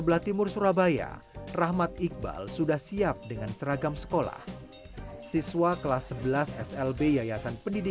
lihat video selanjutnya di